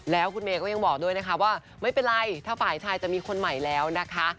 แล้วคุณเมย์ก็ยังบอกด้วยนะคะว่าไม่เป็นไรถ้าฝ่ายชายจะมีคนใหม่แล้วนะคะ